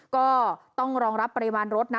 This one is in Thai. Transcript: ก็ต้องรองรับปริมาณรถนะ